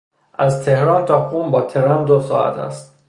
از تهران تا قم با ترن دو ساعت است.